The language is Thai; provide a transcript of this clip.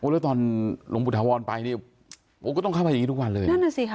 แล้วตอนหลวงปุถาวรไปเนี่ยก็ต้องเข้าไปอย่างนี้ทุกวันเลย